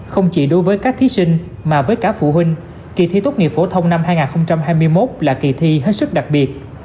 không chỉ đối với các thí sinh mà với cả phụ huynh kỳ thi tốt nghiệp phổ thông năm hai nghìn hai mươi một là kỳ thi hết sức đặc biệt